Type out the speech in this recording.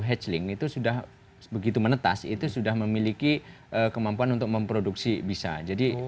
hatchling itu sudah begitu menetas itu sudah memiliki kemampuan untuk memproduksi bisa jadi